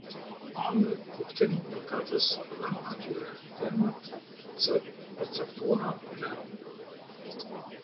Anë kuptim përkatës dhënë atyre, termat c përcaktuara në.